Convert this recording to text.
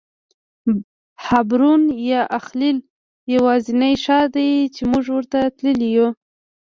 حبرون یا الخلیل یوازینی ښار دی چې موږ ورته تللی شو.